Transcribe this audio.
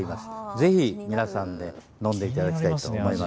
ぜひ皆さんで飲んでいただきたいと思います。